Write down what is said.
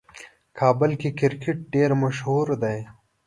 کابل کې کرکټ ډېر مشهور دی.